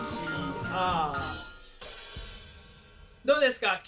どうですか？